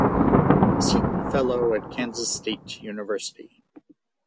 Seaton Fellow at Kansas State University.